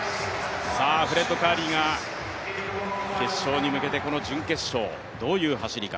フレッド・カーリーが決勝に向けてこの準決勝、どういう走りか。